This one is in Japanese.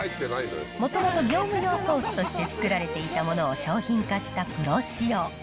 もともと業務用ソースとして作られていたものを商品化したプロ仕様。